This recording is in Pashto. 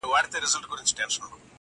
سختي انسان پیاوړی کوي.